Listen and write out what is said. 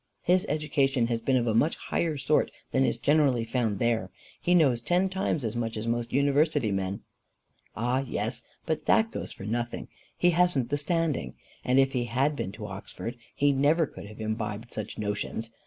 His education has been of a much higher sort than is generally found there. He knows ten times as much as most university men." "Ah! yes; but that goes for nothing: he hasn't the standing. And if he had been to Oxford, he never could have imbibed such notions.